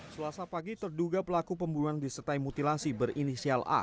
selasa pagi terduga pelaku pembunuhan disertai mutilasi berinisial a